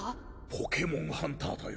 ポケモンハンターだよ。